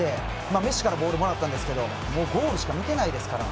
メッシからボールをもらったんですがゴールしか見てないですから。